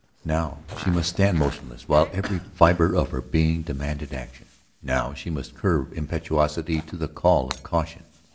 Now she must stand motionless while every fibre of her being demanded action; now she must curb impetuosity to the call of caution.